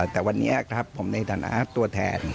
แต่วันนี้ครับผมในฐานะตัวแทน